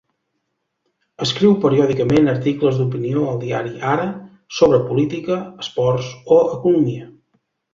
Escriu periòdicament articles d'opinió al diari Ara sobre política, esports o economia.